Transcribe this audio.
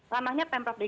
ramahnya pemprov dki